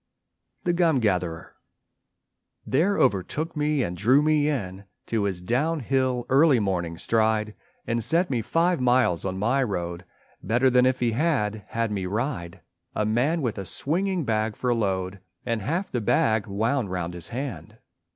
THE GUM GATHERER There overtook me and drew me in To his down hill, early morning stride, And set me five miles on my road Better than if he had had me ride, A man with a swinging bag for load And half the bag wound round his hand.